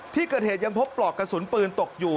ที่เกิดเหตุยังพบปลอกกระสุนปืนตกอยู่